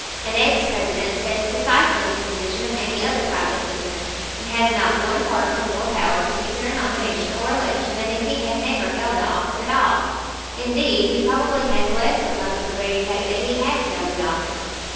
An ex President stands precisely in the position of any other private citizen, and has not one particle more power to secure a nomination or election than if he had never held the office at all indeed, he probably has less because of the very fact that he has held the office.